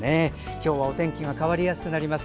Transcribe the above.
今日はお天気が変わりやすくなります。